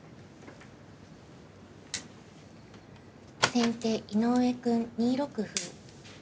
先手井上くん２六歩。